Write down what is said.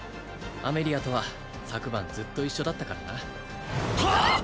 アメリアとは昨晩ずっと一緒だったからなはっ！？